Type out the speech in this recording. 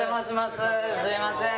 すいません